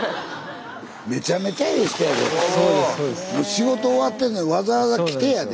仕事終わってんのにわざわざきてやで。